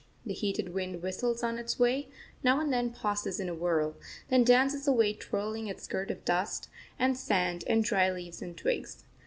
The heated wind whistles on its way, now and then pauses in a whirl, then dances away twirling its skirt of dust and sand and dry leaves and twigs.